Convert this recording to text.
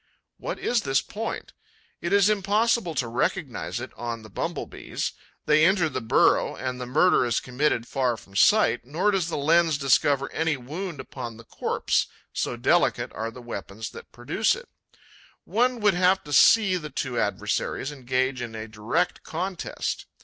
What is this point? It is impossible to recognize it on the Bumble bees. They enter the burrow; and the murder is committed far from sight. Nor does the lens discover any wound upon the corpse, so delicate are the weapons that produce it. One would have to see the two adversaries engage in a direct contest.